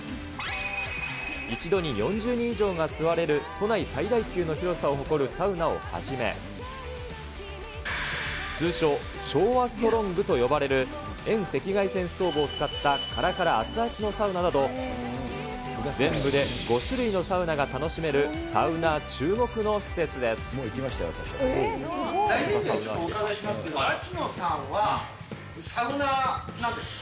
一度に４０人以上が座れる都内最大級の広さを誇るサウナをはじめ、通称、昭和ストロングと呼ばれる、遠赤外線ストーブを使ったからから熱々のサウナなど、全部で５種類のサウナが楽しめる、ちょっとお伺いしますけれども、槙野さんは、サウナーなんですか？